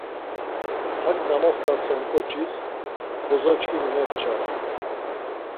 Hak na moxtasen ǩoçis bozoçkimi mepçare.